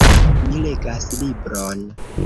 Mi legas libron.